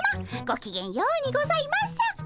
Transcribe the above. ごきげんようにございます。